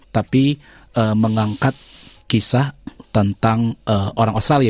tapi mengangkat kisah tentang orang australia